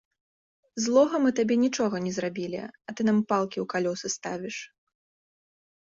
Злога мы табе нічога не зрабілі, а ты нам палкі ў калёсы ставіш.